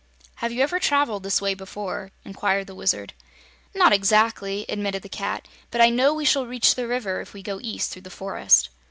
"Have you ever traveled this way before?" inquired the Wizard. "Not exactly," admitted the Cat, "but I know we shall reach the river if we go east through the forest."